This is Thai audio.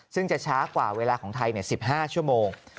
ซึ่งจะช้ากว่าเวลาของไทย๑๕ชั่วโมง